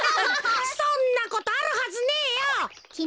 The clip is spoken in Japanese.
そんなことあるはずねえよ。